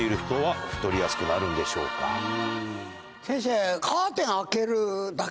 先生。